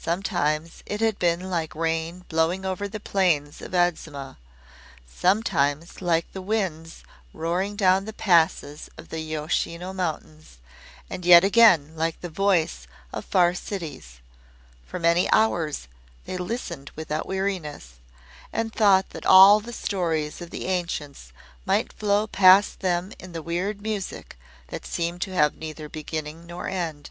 Sometimes it had been like rain blowing over the plains of Adzuma, sometimes like the winds roaring down the passes of the Yoshino Mountains, and yet again like the voice of far cities. For many hours they listened without weariness, and thought that all the stories of the ancients might flow past them in the weird music that seemed to have neither beginning nor end.